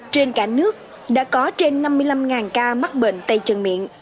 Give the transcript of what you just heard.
trên cả nước đã có trên năm mươi năm ca mắc bệnh tay chân miệng